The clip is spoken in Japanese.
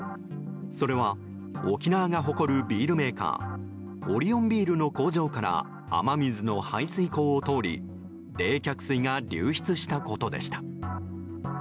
それは沖縄が誇るビールメーカーオリオンビールの工場から雨水の排水溝を通り冷却水が流出したことでした。